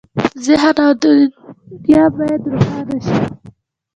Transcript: ذهن او دنیا باید روښانه شي.